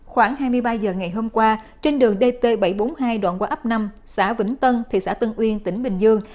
khoảng hai mươi ba h ngày hôm qua trên đường dt bảy trăm bốn mươi hai đoạn qua ấp năm xã vĩnh tân thị xã tân uyên tỉnh bình dương